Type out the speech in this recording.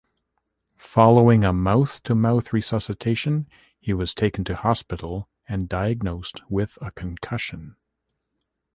Following a mouth-to-mouth resuscitation, he was taken to hospital and diagnosed with a concussion.